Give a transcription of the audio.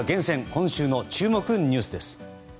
今週の注目ニュースです。